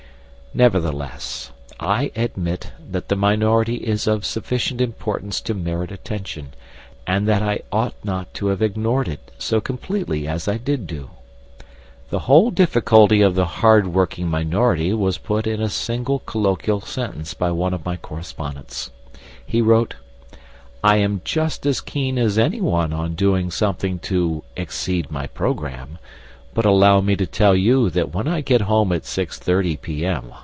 Nevertheless, I admit that the minority is of sufficient importance to merit attention, and that I ought not to have ignored it so completely as I did do. The whole difficulty of the hard working minority was put in a single colloquial sentence by one of my correspondents. He wrote: "I am just as keen as anyone on doing something to 'exceed my programme,' but allow me to tell you that when I get home at six thirty p.m.